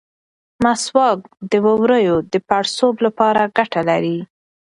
مسواک د ووریو د پړسوب لپاره ګټه لري.